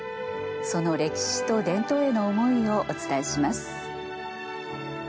その歴史と伝統への思いをお伝えします。